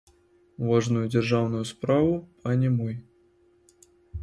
Важную дзяржаўную справу, пане мой!